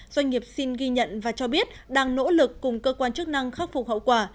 doanh nghiệp xin ghi nhận và cho biết đang nỗ lực cùng cơ quan chức năng khắc phục hậu quả